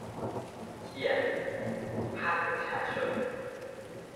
เขียน :'ภาคประชาชน'